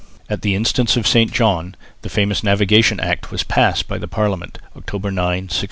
At the instance of St John, the famous Navigation Act was passed by the Parliament, October 9, 1651.